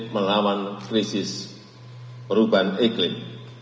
melawan krisis perubahan iklim